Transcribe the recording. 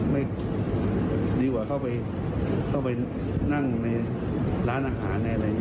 ไม่ดีกว่าเข้าไปนั่งในร้านอาหารอะไรอย่างนี้ค่ะ